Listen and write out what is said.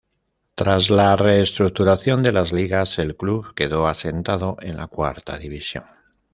Tras la reestructuración de las ligas, el club quedó asentado en la Cuarta División.